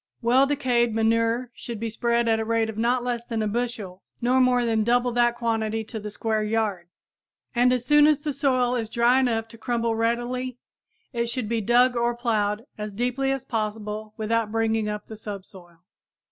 Well decayed manure should be spread at the rate of not less than a bushel nor more than double that quantity to the square yard, and as soon as the soil is dry enough to crumble readily it should be dug or plowed as deeply as possible without bringing up the subsoil.